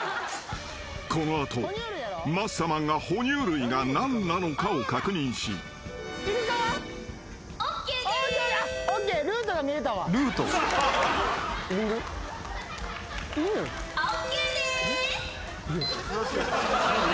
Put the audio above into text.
［この後マッサマンが哺乳類が何なのかを確認し］ＯＫです。ＯＫです。